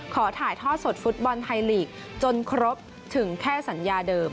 ขอถ่ายทอดสดฟุตบอลไทยลีกจนครบถึงแค่สัญญาเดิม